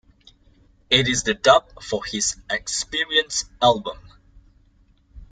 It is the dub for his "Experience" album.